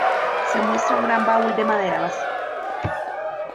Se muestra un gran baúl de madera vacío.